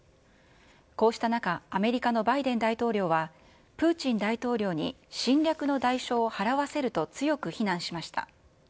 こうした中、アメリカのバイデン大統領は、プーチン大統領に侵略の代償を払わせると強く非難しました。